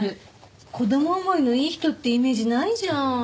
子ども思いのいい人っていうイメージないじゃん。